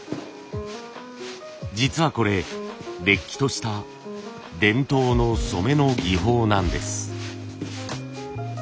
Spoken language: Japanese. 実はこれれっきとした伝統の染めの技法なんです。